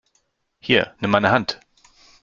Hier, nimm meine Hand!